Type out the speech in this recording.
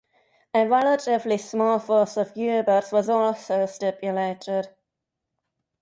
A relatively small force of U-boats was also stipulated.